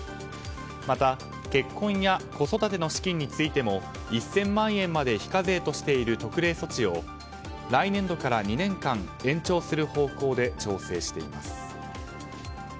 また結婚や子育ての資金についても１０００万円まで非課税としている特例措置を来年度から２年間延長する方向で調整しています。